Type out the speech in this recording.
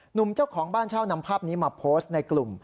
หนุ่มเจ้าของบ้านเช่านำภาพนี้มาโพสต์ในกลุ่ม